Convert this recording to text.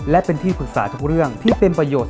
และเป็นที่ปรึกษาทุกเรื่องที่เป็นประโยชน์